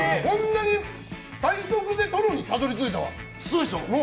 最速でトロにたどり着いたわ。